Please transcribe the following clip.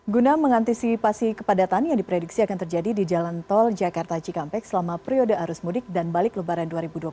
guna mengantisipasi kepadatan yang diprediksi akan terjadi di jalan tol jakarta cikampek selama periode arus mudik dan balik lebaran dua ribu dua puluh tiga